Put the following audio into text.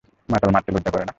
মাতাল মারতে লজ্জা করে না?